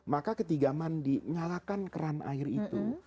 maka ketika mandi nyalakan keran air itu